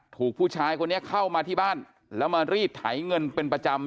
ถูกผู้ชายคนนี้เข้ามาที่บ้านแล้วมารีดไถเงินเป็นประจำ